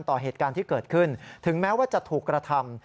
ต่อเหตุการณ์ที่เกิดขึ้นถึงแม้ว่าจะถูกกระทำ